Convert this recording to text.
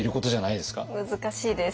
難しいです。